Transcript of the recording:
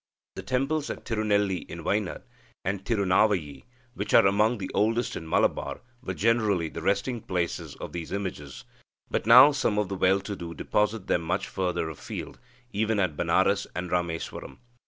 The temples at Tirunelli in Wynad and Tirunavayi, which are among the oldest in Malabar, were generally the resting places of these images, but now some of the well to do deposit them much further afield, even at Benares and Ramesvaram.